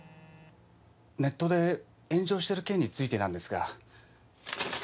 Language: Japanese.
ネットで炎上してる件についてなんですが。